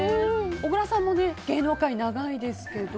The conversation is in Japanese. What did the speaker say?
小倉さんも芸能界長いですけど。